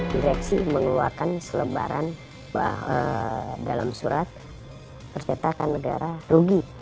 direksi mengeluarkan selebaran dalam surat percetakan negara rugi